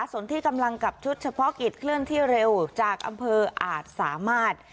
ส่วนที่กำลังกับชุดเฉพาะกิจเคลื่อนที่เร็วจากอำเภออาจสามารถ